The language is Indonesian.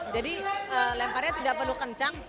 jadi lemparnya tidak perlu kencang